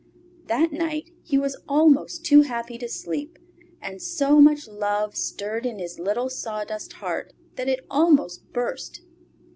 That night he was almost too happy to sleep, and so much love stirred in his little sawdust heart that it almost burst.